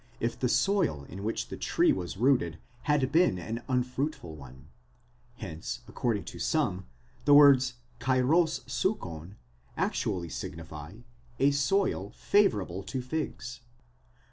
531 if the soil in which the tree was rooted had been an unfruitful one ; hence, according to some, the words καιρὸς σύκων actually signify @ soil favourable to jigs.